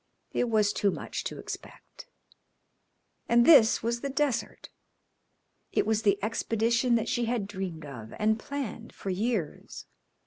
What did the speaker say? It was too much to expect. And this was the desert! It was the expedition that she had dreamed of and planned for years.